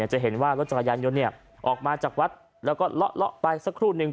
จะเห็นว่ารถจักรยานยนต์ออกมาจากวัดแล้วก็เลาะไปสักครู่นึง